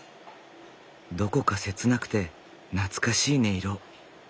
どこか切なくて懐かしい音色。